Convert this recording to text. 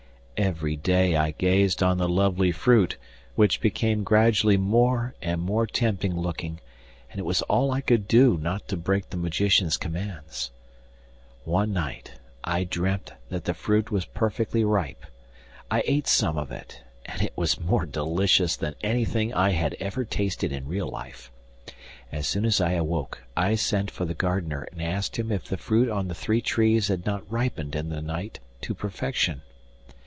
'Every day I gazed on the lovely fruit, which became gradually more and more tempting looking, and it was all I could do not to break the magician's commands. 'One night I dreamt that the fruit was perfectly ripe; I ate some of it, and it was more delicious than anything I had ever tasted in real life. As soon as I awoke I sent for the gardener and asked him if the fruit on the three trees had not ripened in the night to perfection.